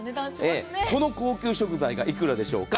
この高級食材が幾らでしょうか。